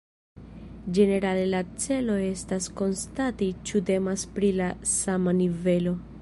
Ĝenerale la celo estas konstati ĉu temas pri la sama nivelo.